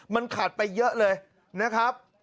มันขาดไปเยอะเลยนะครับ